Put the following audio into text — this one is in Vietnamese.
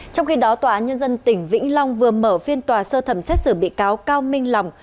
trong khi đó tòa án nhân dân tỉnh vĩnh long vừa mở phiên tòa sơ thẩm xét xử bị cáo cao minh lòng